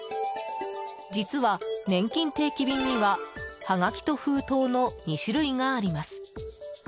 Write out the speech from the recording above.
実は、ねんきん定期便にははがきと封筒の２種類があります。